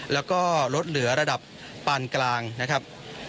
แล้วก็ลดเหลือระดับปานกลางนะครับ